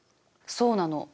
そうなの。